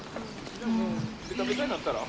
じゃあもうベタベタになったら？